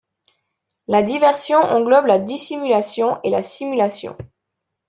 La diversion englobe la dissimulation et la simulation.